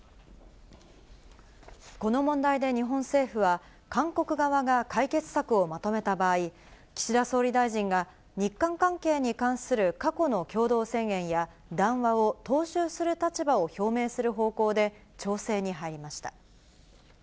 この問題で日本政府は、韓国側が解決策をまとめた場合、岸田総理大臣が日韓関係に関する過去の共同宣言や談話を踏襲する立場を表明する方向で調整に入りました。